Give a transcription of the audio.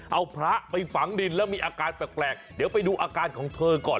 เอาพระไปฝังดินแล้วมีอาการแปลกเดี๋ยวไปดูอาการของเธอก่อน